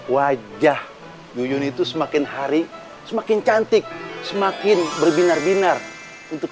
wajah duyun itu semakin hari semakin cantik semakin berbinar binar untuk